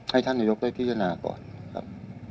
ให้ท่านนายกได้พิจารณาก่อนครับ